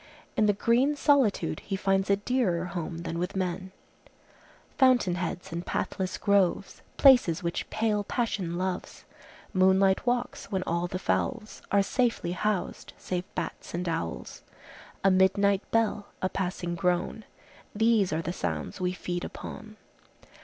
In the green solitude he finds a dearer home than with men:— "Fountain heads and pathless groves, Places which pale passion loves, Moonlight walks, when all the fowls Are safely housed, save bats and owls, A midnight bell, a passing groan,— These are the sounds we feed upon."